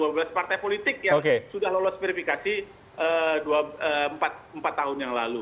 faktual terhadap dua belas partai politik yang sudah lolos verifikasi empat tahun yang lalu